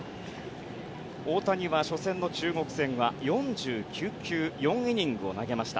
大谷は初戦の中国戦は、４９球４イニングを投げました。